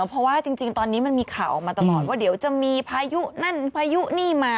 เพราะว่าจริงตอนนี้มันมีข่าวออกมาตลอดว่าเดี๋ยวจะมีพายุนั่นพายุนี่มา